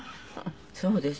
そうです。